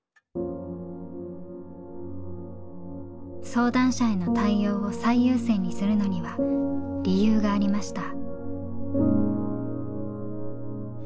相談者への対応を最優先にするのには理由がありました。